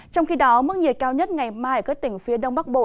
trong khi đó mức nhiệt cao nhất ngày mai ở các tỉnh phía đông bắc bộ